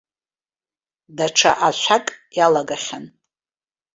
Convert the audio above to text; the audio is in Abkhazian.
Даҽа ашәак иалагахьан.